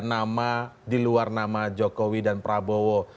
nama di luar nama jokowi dan prabowo